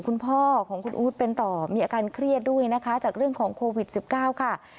คุณพ่อของคุณอู๊ดเป็นต่อมีอาการเครียดด้วยนะคะจากเรื่องของโควิด๑๙ค่ะ